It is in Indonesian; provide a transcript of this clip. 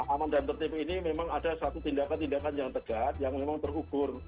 aman dan tertib ini memang ada satu tindakan tindakan yang tegat yang memang terukur